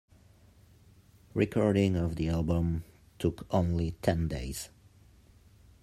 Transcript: Recording of the album took only ten days.